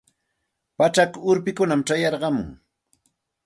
Pachak urpikunam chayarqamun.